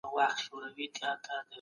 د عزت ساتنه د نظام لومړیتوب دی.